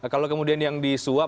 kalau kemudian yang disuap